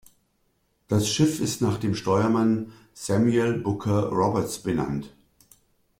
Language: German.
Das Schiff ist nach dem Steuermann "Samuel Booker Roberts" benannt.